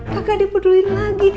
kagak dipeduliin lagi